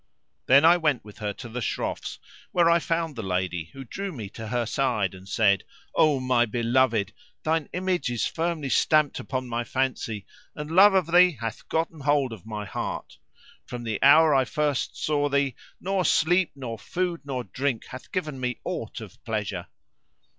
Then I went with her to the Shroff's, where I found the lady who drew me to her side and said, "O my beloved, thine image is firmly stamped upon my fancy, and love of thee hath gotten hold of my heart: from the hour I first saw thee nor sleep nor food nor drink hath given me aught of pleasure."